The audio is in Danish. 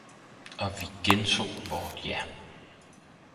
og vi gentog vort ja!